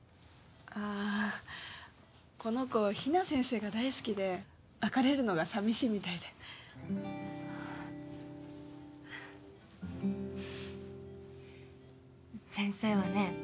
ああこの子比奈先生が大好きで別れるのが寂しいみたいで先生はね